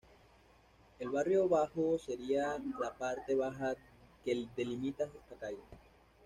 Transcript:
El barrio bajo sería la parte baja que delimita esta calle.